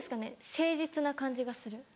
誠実な感じがする。